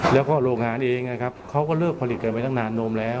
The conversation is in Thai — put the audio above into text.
แล้วก็โรงงานเองนะครับเขาก็เลิกผลิตกันไปตั้งนานโนมแล้ว